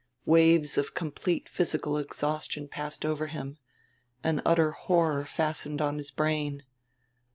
Waves of complete physical exhaustion passed over him. An utter horror fastened on his brain.